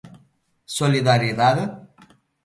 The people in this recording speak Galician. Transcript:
¿Solidariedade?